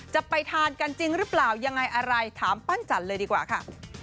จะไปทานกันจริงหรือเปล่ายังไงอะไรถามปั้นจันทร์เลยดีกว่าค่ะ